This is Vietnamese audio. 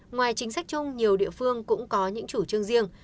ngoài chính sách chung nhiều địa phương cũng có những chủ trương riêng